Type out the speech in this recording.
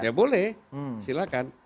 ya boleh silahkan